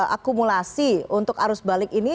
akumulasi untuk arus balik ini